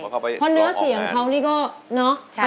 เพราะเนื้อเสียงเขานี่ก็เนอะ